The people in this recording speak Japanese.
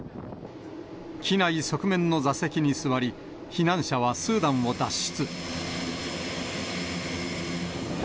機内側面の座席に座り、避難者はスーダンを脱出。